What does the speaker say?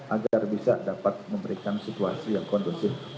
agar bisa dapat memberikan situasi yang kondusif